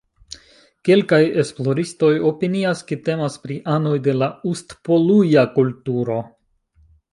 Kelkaj esploristoj opinias, ke temas pri anoj de la Ust-Poluja kulturo.